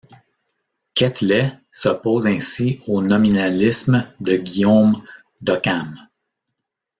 Quetelet s'oppose ainsi au nominalisme de Guillaume d'Ockham.